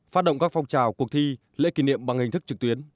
phát động các phong trào cuộc thi lễ kỷ niệm bằng hình thức trực tuyến